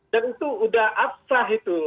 dan itu udah absah itu